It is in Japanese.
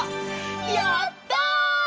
やった！